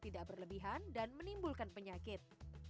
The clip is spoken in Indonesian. tidak berlebihan dan menimbulkan penyakit